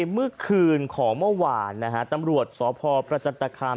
เมื่อคืนของเมื่อวานนะฮะตำรวจสพประจันตคาม